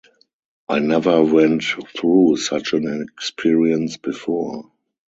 I never went through such an experience before.